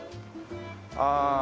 ああ。